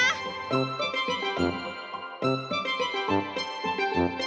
กับการเปิดลอกจินตนาการของเพื่อนเล่นวัยเด็กของตุ๊กตา